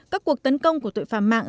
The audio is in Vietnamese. các cuộc tấn công của tội phạm mạng